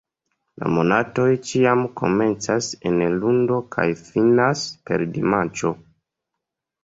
La monatoj ĉiam komencas en lundo kaj finas per dimanĉo.